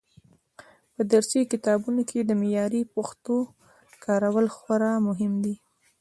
په درسي کتابونو کې د معیاري پښتو کارول خورا مهم دي.